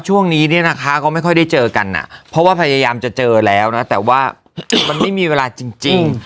ช่วงนี้เนี่ยนะคะก็ไม่ค่อยได้เจอกันอ่ะเพราะว่าพยายามจะเจอแล้วนะแต่ว่ามันไม่มีเวลาจริง